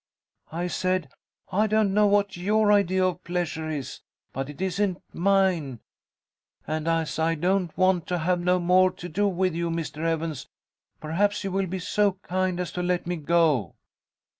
I said, 'I don't know what your idea of pleasure is, but it isn't mine, and as I don't want to have no more to do with you, Mr. Evans, perhaps you will be so kind as to let me go.'